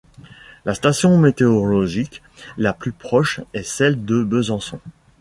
La station météorologique la plus proche est celle de Besançon.